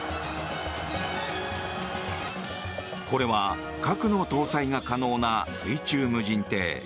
これは核の搭載が可能な水中無人艇。